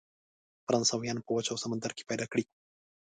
فرانسویان په وچه او سمندر کې پیدا کړي.